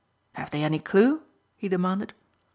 "Have they any clue?" he demanded.